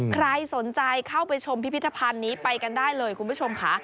ใครสนใจเข้าไปชมพิพิธภัณฑ์นี้ไปกันได้เลยคุณผู้ชมค่ะ